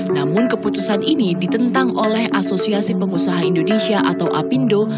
namun keputusan ini ditentang oleh asosiasi pengusaha indonesia atau apindo